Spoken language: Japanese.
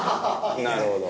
なるほど。